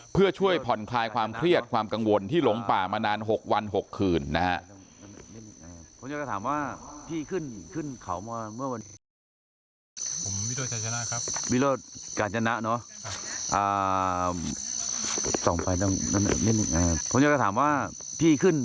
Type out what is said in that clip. เพื่อช่วยผ่อนคลายความเครียดความกังวลที่หลงป่ามานาน๖วัน๖คืนนะครับ